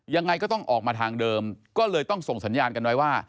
ยังไงก็ต้องออกมาทางเดิมก็เลยต้องส่งสัญญาณกันไว้ว่า